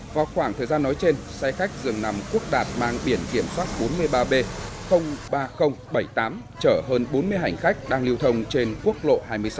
vào khoảng thời gian nói trên xe khách dường nằm quốc đạt mang biển kiểm soát bốn mươi ba b ba nghìn bảy mươi tám chở hơn bốn mươi hành khách đang liều thông trên quốc lộ hai mươi sáu